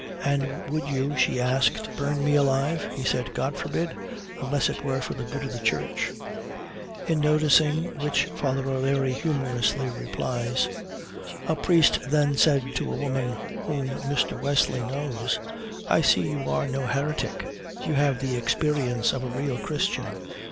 'And would you,' she asked, 'burn me alive?' He said, 'God forbid! unless it were for the good of the Church.'" In noticing which Father O'Leary humorously replies "A priest then said to a woman, whom Mr. Wesley knows, 'I see you are no heretic; you have the experience of a real Christian.'